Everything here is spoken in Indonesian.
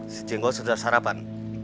si jenggo sudah sarapan